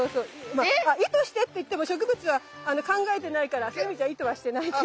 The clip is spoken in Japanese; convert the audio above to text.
まあ意図してって言っても植物は考えてないからそういう意味じゃ意図はしてないけど。